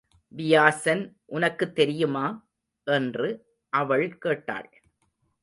வியாசன் உனக்குத் தெரியுமா? என்று அவள் கேட்டாள்.